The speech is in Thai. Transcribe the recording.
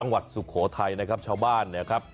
สุโขทัยนะครับชาวบ้านเนี่ยครับ